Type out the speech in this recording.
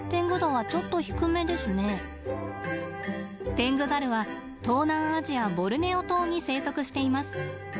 テングザルは東南アジアボルネオ島に生息しています。